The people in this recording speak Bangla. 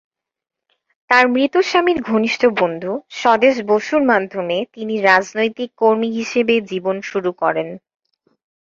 তার মৃত স্বামীর ঘনিষ্ঠ বন্ধু স্বদেশ বসুর মাধ্যমে তিনি রাজনৈতিক কর্মী হিসেবে জীবন শুরু করেন।